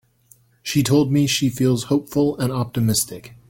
She told me she feels hopeful and optimistic.